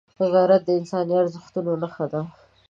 غیرت د انساني ارزښتونو نښه ده